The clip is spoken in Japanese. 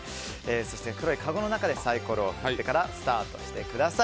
そして黒いかごの中でサイコロを振ってからスタートしてください。